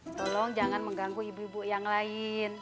tolong jangan mengganggu ibu ibu yang lain